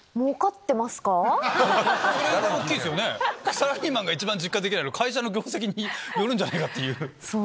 サラリーマンが一番実感できないのは会社の業績によるっていう。